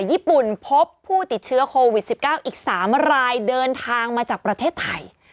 ญี่ปุ่นพบผู้ติดเชื้อโควิด๑๙อีก๓รายเดินทางมาจากประเทศไทย